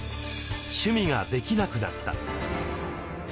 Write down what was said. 趣味ができなくなった。